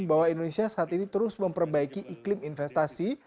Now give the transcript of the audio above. bahwa indonesia saat ini terus memperbaiki iklim investasi